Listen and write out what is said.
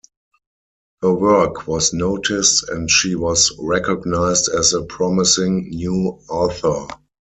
Her work was noticed and she was recognized as a promising new author.